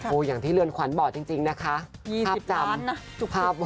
โอ้ยอย่างที่เรือนขวัญบอกจริงนะคะภาพจำ๒๐ล้านนะจุดสุดนะ